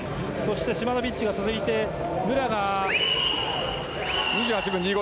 シマノビッチが続いて武良が２８秒２５。